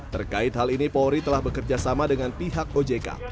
terkait hal ini polri telah bekerjasama dengan pihak ojk